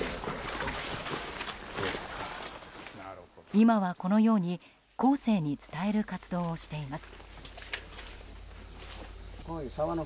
今は、このように後世に伝える活動をしています。